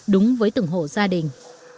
đúng với từng hộ gia đình